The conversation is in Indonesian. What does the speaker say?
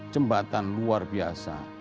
jembatan luar biasa